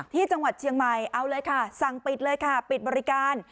ที่จังหวัดเชียงใหม่เอาเลยค่ะสั่งปิดเลยค่ะปิดบริการ